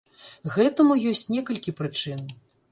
Гэтаму ёсць некалькі прычын.